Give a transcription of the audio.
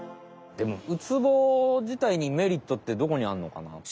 でもウツボじたいにメリットってどこにあんのかな？